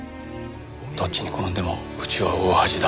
どっちに転んでもうちは大恥だ。